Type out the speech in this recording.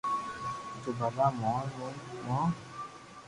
تو ڀلو مون نو مون